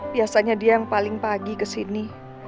biasanya dia yang paling pagi kesini